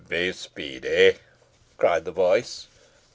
"Be speedy!" cried the voice.